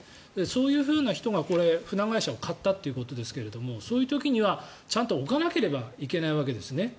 そういうふうな人が船会社を買ったということですがそういう時にはちゃんと置かなければいけないわけですね。